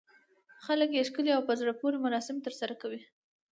خلک یې ښکلي او په زړه پورې مراسم ترسره کوي.